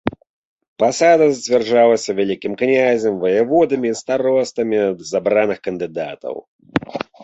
Пасада зацвярджалася вялікім князем, ваяводамі і старостамі з абраных кандыдатаў.